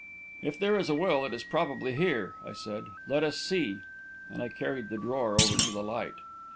"If there is a will, it is probably here," I said; "let us see," and I carried the drawer over to the light.